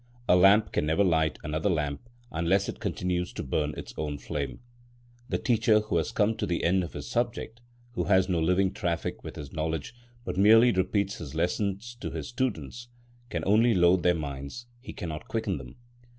A lamp can never light another lamp unless it continues to burn its own flame. The teacher who has come to the end of his subject, who has no living traffic with his knowledge, but merely repeats his lessons to his students, can only load their minds; he cannot quicken them.